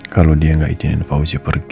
kalau dia tidak izinkan fauzi pergi